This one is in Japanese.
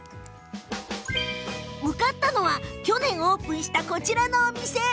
向かったのは去年オープンした、こちらのお店。